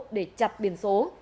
để chặt biển số